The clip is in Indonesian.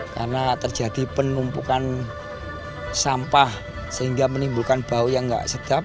karena terjadi penumpukan sampah sehingga menimbulkan bau yang tidak sedap